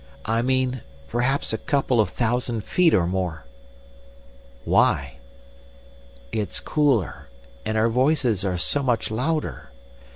"I mean—perhaps a couple of thousand feet or more." "Why?" "It's cooler. And our voices are so much louder.